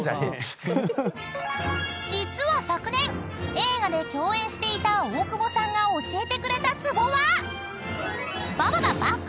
［実は昨年映画で共演していた大久保さんが教えてくれたツボは？］